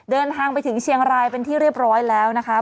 เดินทางไปถึงเชียงรายเป็นที่เรียบร้อยแล้วนะคะ